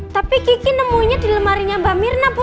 tapi kiki nemunya di lemarinya mbak mirna bu